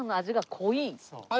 味が濃いです！